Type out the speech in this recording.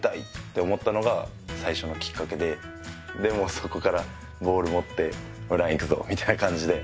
そこからボール持って藍行くぞみたいな感じで。